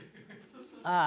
ああ。